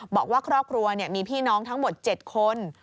บอกว่าครอบครัวมีพี่น้องทั้งหมด๗คน